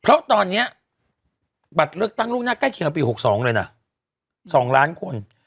เพราะตอนนี้บัตรเลือกตั้งล่วงหน้าใกล้เคียงปี๖๒เลยนะ๒ล้านคน